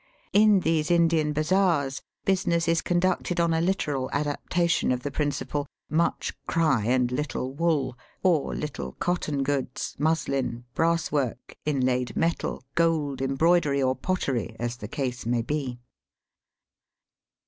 In these Indian bazaars business is conducted on a literal adaptation of the principle "much cry and little wool "— or little cotton goods, muslin, brass work, inlaid metal, gold, em broidery, or pottery, as the case may be.